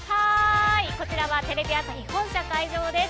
こちらはテレビ朝日本社会場です。